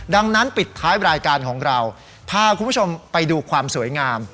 ดังนั้นปิดท้ายรายการของเราพาคุณผู้ชมไปดูความสวยงาม